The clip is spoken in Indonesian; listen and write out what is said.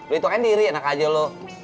lu hitungin diri enak aja lu